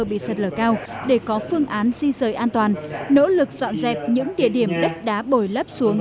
bị sạt lở cao để có phương án di rời an toàn nỗ lực dọn dẹp những địa điểm đất đá bồi lấp xuống